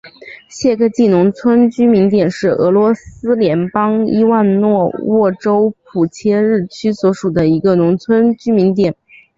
谢戈季农村居民点是俄罗斯联邦伊万诺沃州普切日区所属的一个农村居民点。